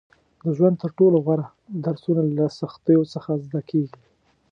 • د ژوند تر ټولو غوره درسونه له سختیو څخه زده کېږي.